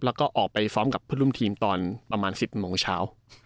แล้วก็ออกไปซ้อมกับผู้รุ่นทีมตอนประมาณ๑๐โมงข้างเช้า